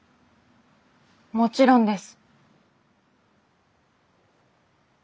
もちろんです。